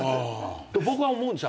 僕は思うんです。